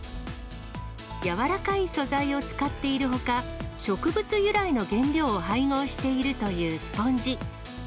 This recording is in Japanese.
柔らかい素材を使っているほか、植物由来の原料を配合しているというスポンジ。